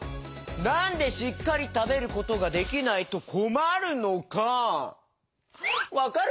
なんでしっかりたべることができないとこまるのかわかる？